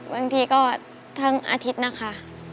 บางทีก็ทั้งอาทิตย์นะคะ